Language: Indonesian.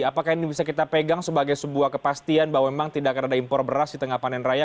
apakah ini bisa kita pegang sebagai sebuah kepastian bahwa memang tidak akan ada impor beras di tengah panen raya